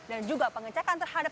dan juga pengecekan terhadap